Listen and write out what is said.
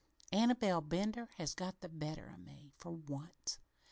Annabel Bender has got the better o' me, for once!'